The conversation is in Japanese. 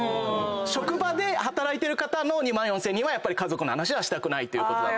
職場で働いてる方の２万４，０００人はやっぱり家族の話はしたくないと。